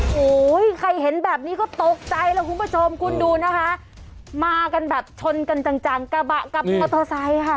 โอ้โหใครเห็นแบบนี้ก็ตกใจแล้วคุณผู้ชมคุณดูนะคะมากันแบบชนกันจังกระบะกับมอเตอร์ไซค์ค่ะ